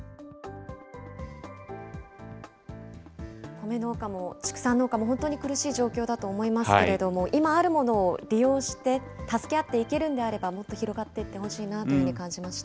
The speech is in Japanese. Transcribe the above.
米農家も畜産農家も、本当に苦しい状況だと思いますけれども、今あるものを利用して、助け合っていけるんであれば、もっと広がっていってほしいなというふうに感じました。